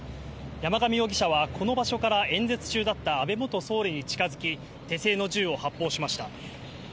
山上容疑者はこの場所から演説中だった安倍元総理に近づき、手製の銃を発砲しました。